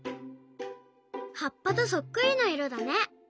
はっぱとそっくりないろだね！